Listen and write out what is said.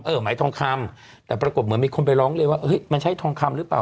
เออไหมทองคำแต่ปรากฏเหมือนมีคนไปร้องเลยว่ามันใช่ทองคำหรือเปล่า